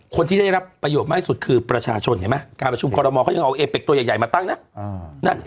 คนที่ได้รับประโยคมากที่สุดคือประชาชนเพราะการประชุมกรมมอลยังเอาเอเบคตัวใหญ่มาตั้งนะ